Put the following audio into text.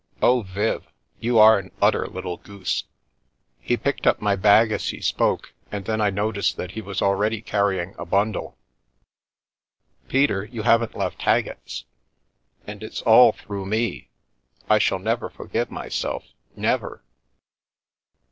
Oh, Viv, you are an utter little goose !" He picked up my bag as he spoke, and then I noticed that he was already carrying a bundle. " Peter, you haven't left Haggett's ? And it's all through me ! I shall never forgive myself, never